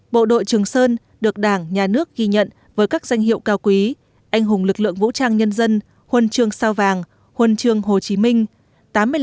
bộ đội trường sơn được đảng nhà nước ghi nhận với các danh hiệu cao quý anh hùng lực lượng vũ trang nhân dân huân trường sao vàng huân trường hồ chí minh